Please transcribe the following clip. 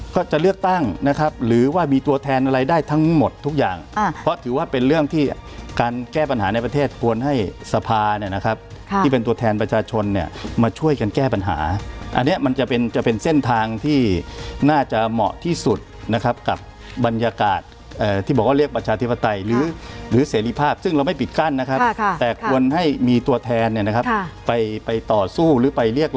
ก็จะเลือกตั้งนะครับหรือว่ามีตัวแทนอะไรได้ทั้งหมดทุกอย่างเพราะถือว่าเป็นเรื่องที่การแก้ปัญหาในประเทศควรให้สภาเนี่ยนะครับที่เป็นตัวแทนประชาชนเนี่ยมาช่วยกันแก้ปัญหาอันเนี้ยมันจะเป็นจะเป็นเส้นทางที่น่าจะเหมาะที่สุดนะครับกับบรรยากาศที่บอกว่าเรียกประชาธิปไตยหรือหรือเสรีภาพซึ